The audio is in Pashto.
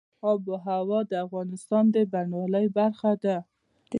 آب وهوا د افغانستان د بڼوالۍ برخه ده.